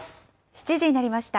７時になりました。